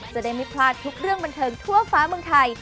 จะได้ไม่พลาดทุกเรื่องบันเทิงทั่วฟ้าเมืองไทย